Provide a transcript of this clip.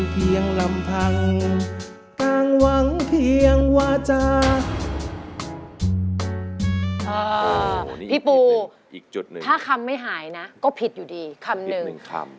อ๋อพี่ปูถ้าคำไม่หายนะก็ผิดอยู่ดีคำหนึ่ง